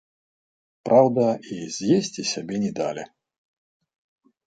Праўда, і з'есці сябе не далі.